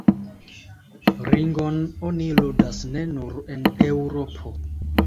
Ringon oni ludas ne nur en Eŭropo.